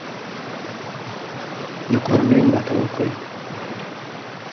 د کورنیو ملاتړ وکړئ.